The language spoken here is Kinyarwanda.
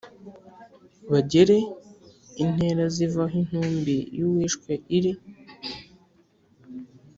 bagere intera ziva aho intumbi y’uwishwe iri